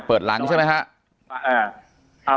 เปิดหลังใช่มั้ยครับ